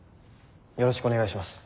よろしくお願いします。